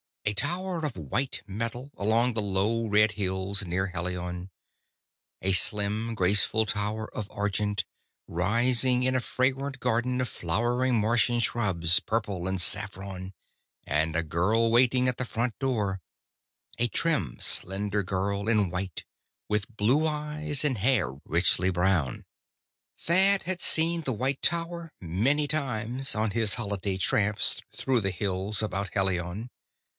A tower of white metal, among the low red hills near Helion. A slim, graceful tower of argent, rising in a fragrant garden of flowering Martian shrubs, purple and saffron. And a girl waiting, at the silver door a trim, slender girl in white, with blue eyes and hair richly brown. Thad had seen the white tower many times, on his holiday tramps through the hills about Helion.